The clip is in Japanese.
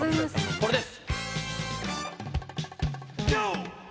これです。